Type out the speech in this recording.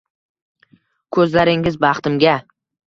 Ko‘zlaringiz baxtimga